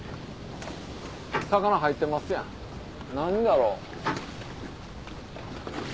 魚入ってますやん何やろ？